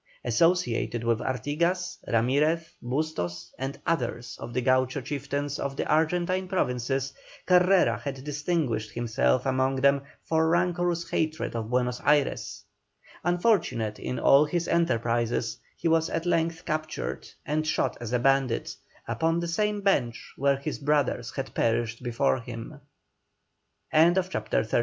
Associated with Artigas, Ramirez, Bustos, and others of the Gaucho chieftains of the Argentine Provinces, Carrera had distinguished himself among them for rancorous hatred of Buenos Ayres. Unfortunate in all his enterprises, he was at length captured, and shot as a bandit, upon the same bench where his brothers had perished before him. CHAPTER XXXIII. THE PROTECTORATE OF PERU.